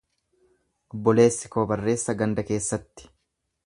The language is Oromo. Obboleessi koo barreessa ganda keessatti.